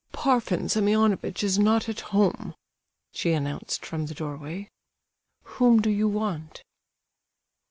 "Parfen Semionovitch is not at home," she announced from the doorway. "Whom do you want?"